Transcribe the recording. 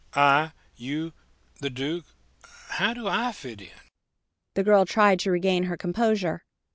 I you the Duke how do I fit in?" The girl tried to regain her composure.